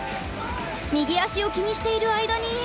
右足を気にしている間に。